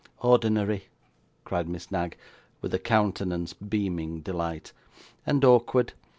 'Ordinary!' cried Miss Knag with a countenance beaming delight; 'and awkward!